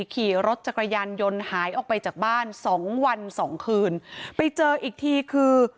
ขี่รถจักรยานยนต์หายออกไปจากบ้านสองวันสองคืนไปเจออีกทีคือ